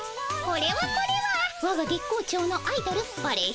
これはこれはわが月光町のアイドルバレエ